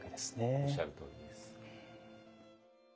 おっしゃるとおりです。